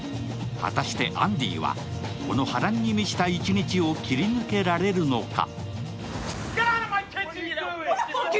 果たしてアンディは、この波乱に満ちた一日を切り抜けられるのか。